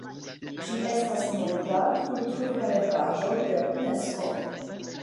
Ĝi estas Monda Kulturheredaĵo de Unesko.